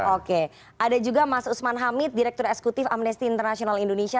oke ada juga mas usman hamid direktur eksekutif amnesty international indonesia